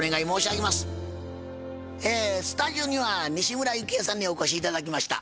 スタジオには西村由紀江さんにお越し頂きました。